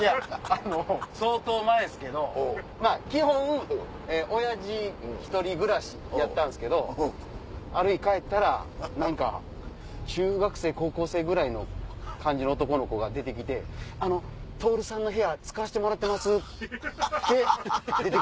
相当前ですけど基本親父独り暮らしやったんすけどある日帰ったら中学生高校生ぐらいの感じの男の子が出て来て「徹さんの部屋使わせてもらってます」って。